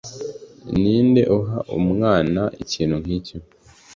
Ninde uha umwana ikintu nkicyo